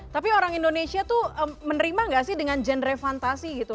tapi orang indonesia tuh menerima gak sih dengan genre fantasi gitu